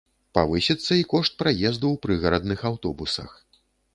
Павысіцца і кошт праезду ў прыгарадных аўтобусах.